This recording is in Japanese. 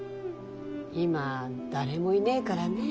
今誰もいねぇからねぇ。